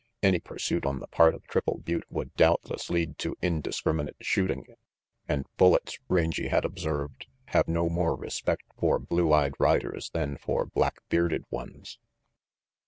Any pursuit on the part of Triple Butte would doubtless lead to indiscriminate shooting, and bullets, Rangy had observed, have no more respect for blue eyed riders than for black bearded ones.